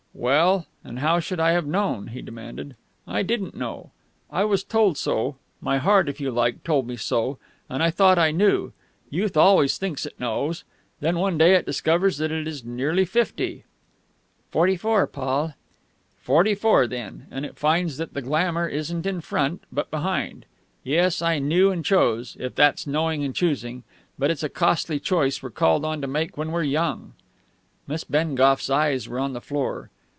"Well, and how should I have known?" he demanded. "I didn't know. I was told so. My heart, if you like, told me so, and I thought I knew. Youth always thinks it knows; then one day it discovers that it is nearly fifty " "Forty four, Paul "" forty four, then and it finds that the glamour isn't in front, but behind. Yes, I knew and chose, if that's knowing and choosing ... but it's a costly choice we're called on to make when we're young!" Miss Bengough's eyes were on the floor.